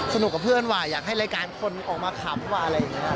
กับเพื่อนว่าอยากให้รายการคนออกมาขำว่าอะไรอย่างนี้